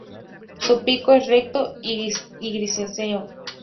Su pico es recto y grisáceo.